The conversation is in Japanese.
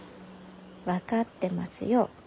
分かってますよ。